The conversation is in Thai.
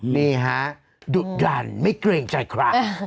นี่ฮะดุดันไม่เกรงใจใคร